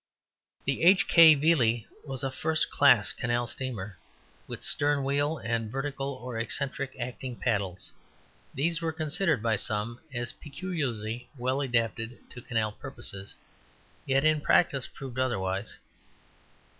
The H. K. Viele was a first class canal steamer, with stern wheel and vertical, or excentric, acting paddles. These were considered by some as peculiarly well adapted to canal purposes, yet in practice proved otherwise.